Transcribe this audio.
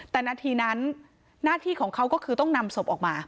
แต่นาทีนั้นหน้าที่ของเขาก็คือต้องนำศพออกมา